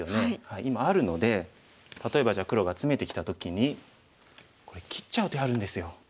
今あるので例えばじゃあ黒がツメてきた時にこれ切っちゃう手あるんですよ。